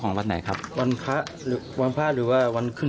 ของวันไหนครับวันพระวันพละหรือวันขึ้น